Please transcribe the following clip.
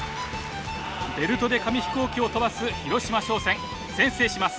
ベルトで紙飛行機を飛ばす広島商船先制します！